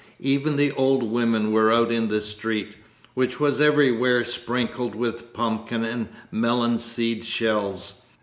Even the old women were out in the street, which was everywhere sprinkled with pumpkin and melon seed shells.